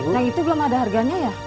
nah itu belum ada harganya ya